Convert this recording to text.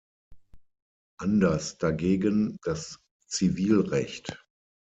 Anders dagegen das Zivilrecht.